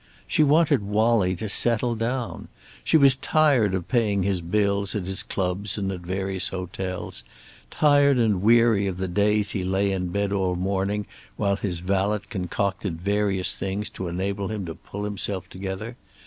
She wanted Wallie to settle down. She was tired of paying his bills at his clubs and at various hotels, tired and weary of the days he lay in bed all morning while his valet concocted various things to enable him to pull himself together.